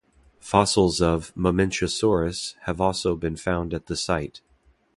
Fossils of "Mamenchisaurus" have also been found at the site.